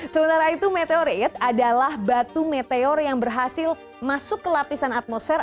sementara itu meteorit adalah batu meteor yang berhasil masuk ke lapisan atmosfer